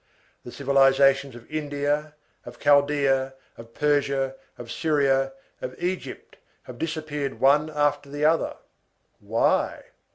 The civilizations of India, of Chaldea, of Persia, of Syria, of Egypt, have disappeared one after the other. Why?